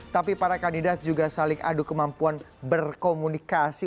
tapi para kandidat juga saling adu kemampuan berkomunikasi